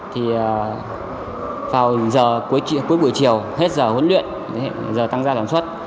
thì vào giờ cuối buổi chiều hết giờ huấn luyện giờ tăng ra làm xuất